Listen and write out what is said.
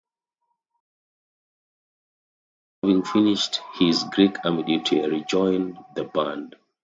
Koulouris, having finished his Greek army duty, rejoined the band.